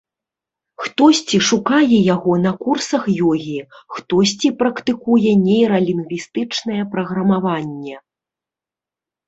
Хтосьці шукае яго на курсах ёгі, хтосьці практыкуе нейралінгвістычнае праграмаванне.